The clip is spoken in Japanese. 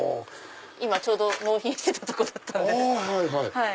今ちょうど納品してたとこだったんで。